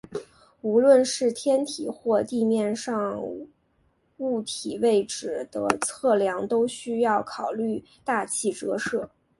无论是天体或地面上物体位置的测量都需要考虑大气折射。